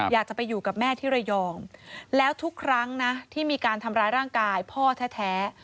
อยากจะไปอยู่กับแม่ที่ระยองแล้วทุกครั้งนะที่มีการทำร้ายร่างกายพ่อแท้